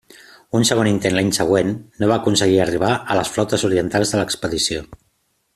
Un segon intent l'any següent no va aconseguir arribar a les flotes orientals de l'expedició.